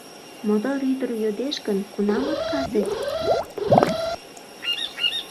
Мотор ӱдыр йодеш гын, кунам отказет?